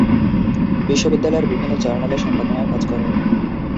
বিশ্ববিদ্যালয়ের বিভিন্ন জার্নালে সম্পাদনার কাজ করেন।